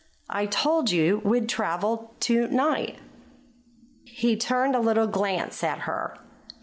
"I told you we'd travel to night." He turned a little glance at her.